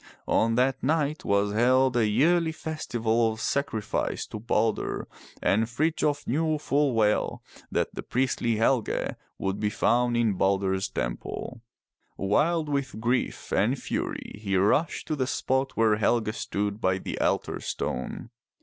On that night was held a yearly festival of sacrifice to Balder, and Frith j of knew full well that the priestly Helge would be found in Balder's Temple. Wild with grief and fury he rushed to the spot where Helge stood by the altar stone.